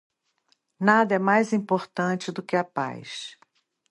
Nada é mais importante do que a paz.